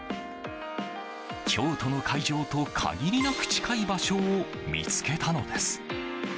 京都の会場と限りなく近い場所を見つけたのです。